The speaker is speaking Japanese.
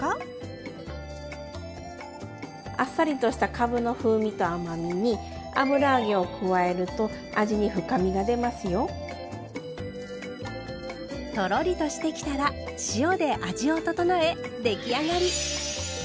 あっさりとしたかぶの風味と甘みにとろりとしてきたら塩で味を調え出来上がり。